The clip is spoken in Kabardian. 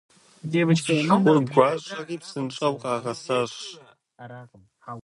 Шху гуащӀэри псынщӀэу къагъэсащ.